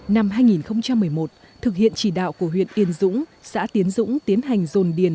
năm hai nghìn một mươi một thực hiện chỉ đạo của huyện yên dũng xã tiến dũng tiến hành dồn điền